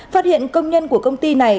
phát hiện công nhân của công ty này